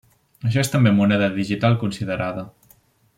Això és també moneda digital considerada.